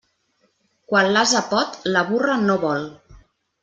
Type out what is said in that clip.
Quan l'ase pot, la burra no vol.